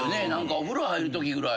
お風呂入るときぐらい。